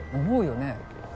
思うよね。